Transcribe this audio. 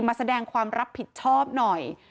มาแสดงความรับผิดชอบหน่อย